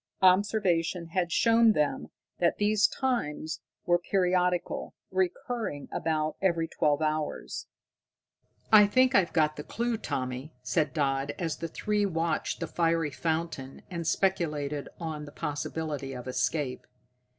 Observation had shown them that these times were periodical, recurring about every twelve hours. "I think I've got the clue, Tommy," said Dodd, as the three watched the fiery fountain and speculated on the possibility of escape.